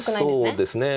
そうですね。